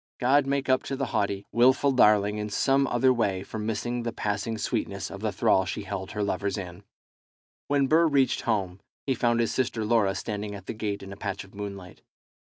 God make up to the haughty, wilful darling in some other way for missing the passing sweetness of the thrall she held her lovers in! When Burr reached home, he found his sister Laura standing at the gate in a patch of moonlight.